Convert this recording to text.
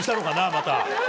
また。